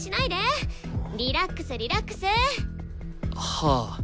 はあ。